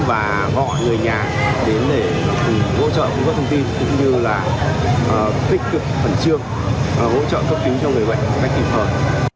và hỗ trợ cấp cứu cho người bệnh cách tìm hợp